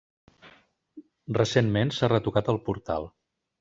Recentment s'ha retocat el portal.